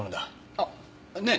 あっねえ